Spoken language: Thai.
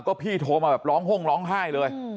ก็พี่โทรมาแบบร้องห้งร้องไห้เลย